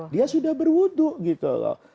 dia sudah berwudhu gitu loh